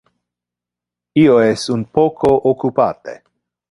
Io es un poco occupate.